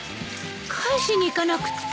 返しに行かなくっちゃ。